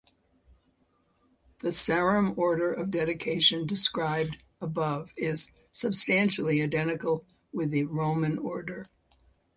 The Sarum order of dedication described above is substantially identical with the Roman order.